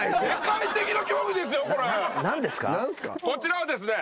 こちらはですね